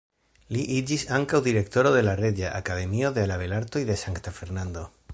Li iĝis ankaŭ direktoro de la Reĝa Akademio de Belartoj de Sankta Fernando.